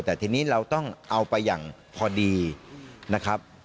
แต่ทีนี้เราต้องเอาไปอย่างพอดีนะครับ